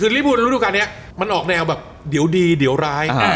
คือริบูลฤดูการนี้มันออกแนวแบบเดี๋ยวดีเดี๋ยวร้าย